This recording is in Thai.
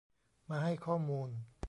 มาให้ข้อมูล